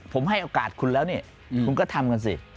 ผมให้โอกาสคุณแล้วนี่คุณก็ทำกันสิ